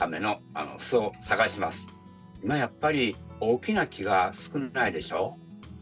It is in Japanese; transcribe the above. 今やっぱり大きな木が少ないでしょ。